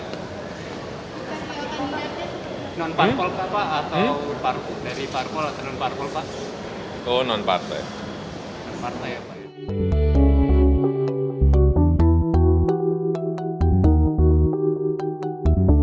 non part pol pak atau dari part pol ke non part pol pak